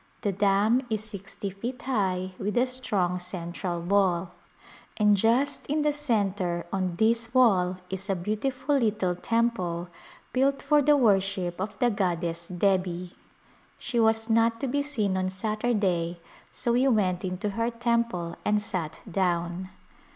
The dam is sixty feet high with a strong central wall, and just Distinguished Visitors in the centre on this wall is a beautiful little temple built for the worship of the goddess Debi. She was not to be seen on Saturday so we went into her temple and sat down.